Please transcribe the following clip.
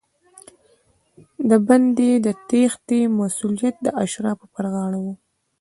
د بندي د تېښتې مسوولیت د اشرافو پر غاړه و.